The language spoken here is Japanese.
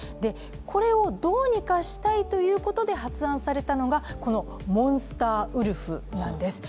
これをどうにかしたいということで発案されたのがこのモンスターウルフなんです。